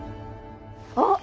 あっ！